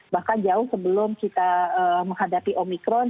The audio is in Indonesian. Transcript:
bahkan jauh sebelum kita menghadapi omikron